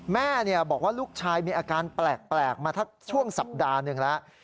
แม่บอกว่าลูกชายมีอาการแปลกมาทักช่วงสัปดาห์หนึ่งแล้ว